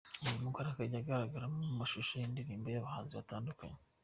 Uyu mugore ajya agaragara no mu mashusho y’indirimbo y’abahanzi batandukanye.